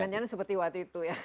jangan jangan seperti waktu itu ya